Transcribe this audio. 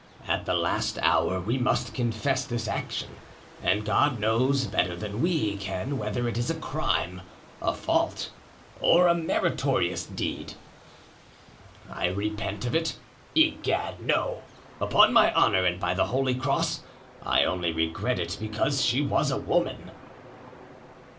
At the last hour we must confess this action and God knows better than we can whether it is a crime, a fault, or a meritorious deed. I repent of it? Egad! no. Upon my honor and by the holy cross; I only regret it because she was a woman."